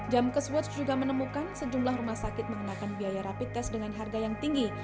jamkes watch juga menemukan sejumlah rumah sakit mengenakan biaya rapid test dengan harga yang tinggi